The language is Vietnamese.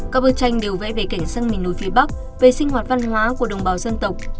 các bức tranh đều vẽ về cảnh sắc miền núi phía bắc về sinh hoạt văn hóa của đồng bào dân tộc